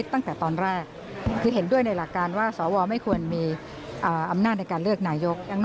แต่มันก็ชัดเจนว่าเขาไม่เอาออก